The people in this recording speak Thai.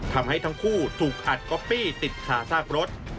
ทำให้ทั้งคู่ถูกอัดก๊อปปี้ติดขาซากรถ